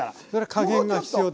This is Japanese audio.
加減が必要です。